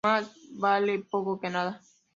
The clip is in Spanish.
Más vale poco que nada